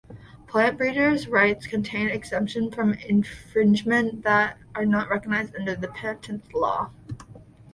Plant breeders' rights contain exemptions from infringement that are not recognized under patent law.